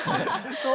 そう？